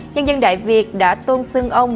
nhân dân đại việt đã tôn xương ông